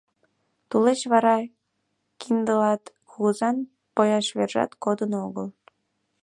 Тулеч вара Киндылат кугызан пояш вержат кодын огыл.